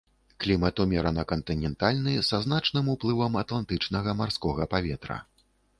Клімат умерана-кантынентальны, са значным уплывам атлантычнага марскога паветра.